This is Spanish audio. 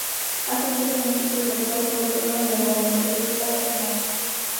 Ha sufrido múltiples roturas, sobre todo en los momentos de puesta en marcha.